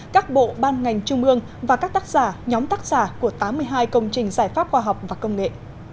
các bộ ban ngành trung ương và các tác giả nhóm tác giả của tám mươi hai công trình giải pháp khoa học và công nghệ